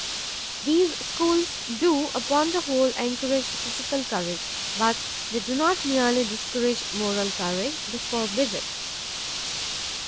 These schools do, upon the whole, encourage physical courage; but they do not merely discourage moral courage, they forbid it.